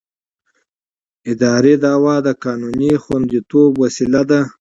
اداري دعوه د قانوني خوندیتوب وسیله ده.